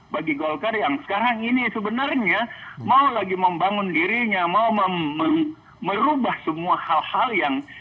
bagi golkar yang sekarang ini sebenarnya mau lagi membangun dirinya mau merubah semua hal hal yang